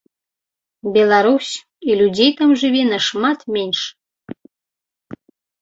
Беларусь, і людзей там жыве нашмат менш!